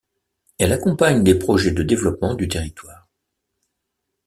Elle accompagne les projets de développement du territoire.